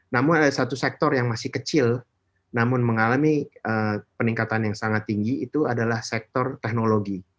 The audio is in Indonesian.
namun ada satu sektor yang masih kecil namun mengalami peningkatan yang sangat tinggi itu adalah sektor teknologi